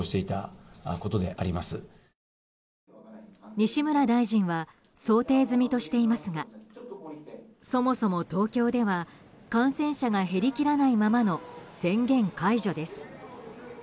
西村大臣は想定済みとしていますがそもそも東京では感染者が減り切らないままの宣言解除です。